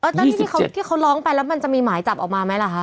ตอนนี้ที่เขาร้องไปแล้วมันจะมีหมายจับออกมาไหมล่ะฮะ